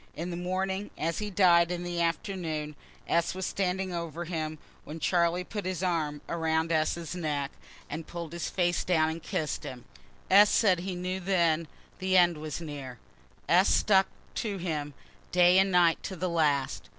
In the morning, as he died in the afternoon, S. was standing over him, when Charlie put up his arms around S.'s neck, and pull'd his face down and kiss'd him. S. said he knew then the end was near. (S. stuck to him day and night to the last.)